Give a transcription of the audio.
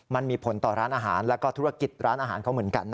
มันมีผลต่อร้านอาหารแล้วก็ธุรกิจร้านอาหารเขาเหมือนกัน